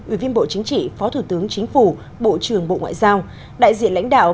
ủy viên bộ chính trị phó thủ tướng chính phủ bộ trưởng bộ ngoại giao đại diện lãnh đạo